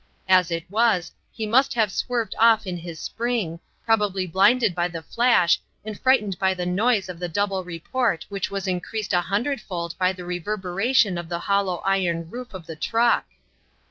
As it was, he must have swerved off in his spring, probably blinded by the flash and frightened by the noise of the double report which was increased a hundredfold by the reverberation of the hollow iron roof of the truck.